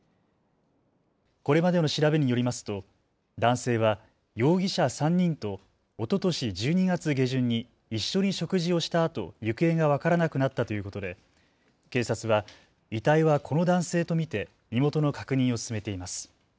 これまでの調べによりますと男性は容疑者３人とおととし１２月下旬に一緒に食事をしたあと行方が分からなくなったということで警察は遺体はこの男性と見て身元の確認を進めています。